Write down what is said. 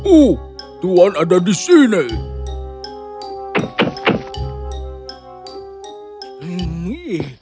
uh tuhan ada di sini